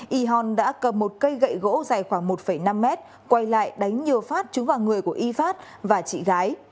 yihon đã cầm một cây gậy gỗ dài khoảng một năm m quay lại đánh nhiều phát chúng vào người của yifat và chị gái